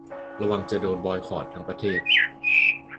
ระวังจะโดนบอยคอตทั้งประเทศ